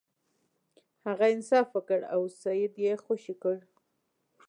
هغه انصاف وکړ او سید یې خوشې کړ.